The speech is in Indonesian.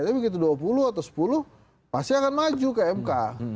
tapi begitu dua puluh atau sepuluh pasti akan maju ke mk